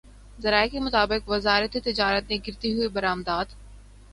ذرائع کے مطابق وزارت تجارت نے گرتی ہوئی برآمدات